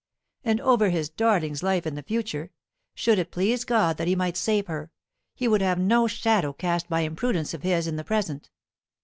And over his darling's life in the future, should it please God that he might save her, he would have no shadow cast by imprudence of his in the present.